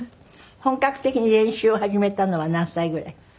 本格的に練習を始めたのは何歳ぐらい？